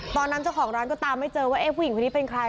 ตอนนั้นเจ้าของร้านก็ตามไม่เจอว่าผู้หญิงคนนี้เป็นใคร